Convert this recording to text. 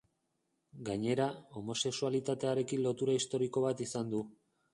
Gainera, homosexualitatearekin lotura historiko bat izan du.